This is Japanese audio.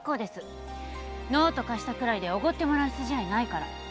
ノート貸したくらいでおごってもらう筋合いないから